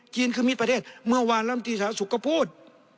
จีนคือมิตรประเทศเมื่อวานลำตีสหสุกก็พูด